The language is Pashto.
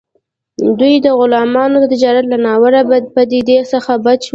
دوی د غلامانو د تجارت له ناوړه پدیدې څخه بچ وو.